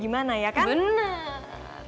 gimana ya kan bener